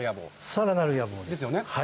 さらなる野望です。ですよね？